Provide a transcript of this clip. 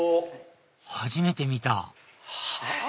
初めて見たはぁ！